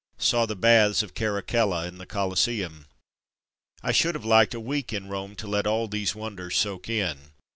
Saw the baths of Caracalla and the Coliseum. I should have liked a week in Rome to let all these wonders soak in.